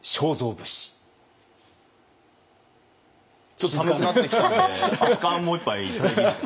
ちょっと寒くなってきたんで熱かんもう一杯頂いていいですか？